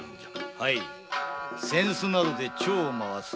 はい扇子などで蝶を舞わす手妻。